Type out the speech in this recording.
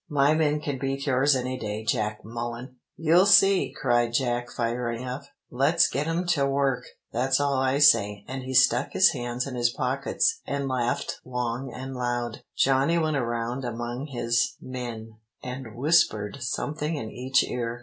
'My men can beat yours any day, Jack Mullen!' "'You'll see,' cried Jack, firing up. 'Let's get 'em to work, that's all I say;' and he stuck his hands in his pockets, and laughed long and loud. "Johnny went around among his men, and whispered something in each ear.